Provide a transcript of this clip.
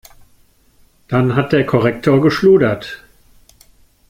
Dann hat der Korrektor geschludert.